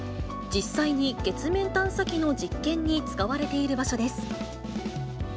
実際に月面探査機の実験に使われている場所です。